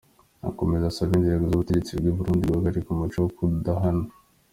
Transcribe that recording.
Akomeza asaba inzego z’ubutegetsi bw’u Burundi guhagarika umuco wo kudahana.